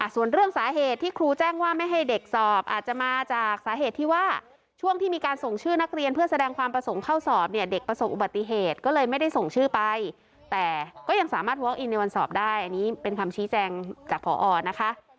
ส่วนเรื่องสาเหตุที่ครูแจ้งว่าไม่ให้เด็กสอบอาจจะมาจากสาเหตุที่ว่าช่วงที่มีการส่งชื่อนักเรียนเพื่อแสดงความประสงค์เข้าสอบเนี่ยเด็กประสบอุบัติเหตุก็เลยไม่ได้ส่งชื่อไปแต่ก็ยังสามารถวอคอินในวันสอบได้อันนี้เป็นคำชี้แจงจากพอนะคะ